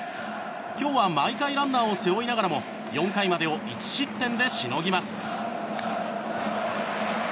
今日は毎回ランナーを背負いながらも４回までを１失点でしのぎます。